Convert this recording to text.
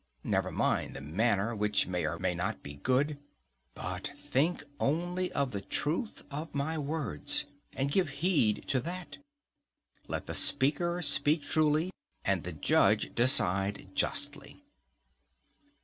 Never mind the manner, which may or may not be good; but think only of the truth of my words, and give heed to that: let the speaker speak truly and the judge decide justly.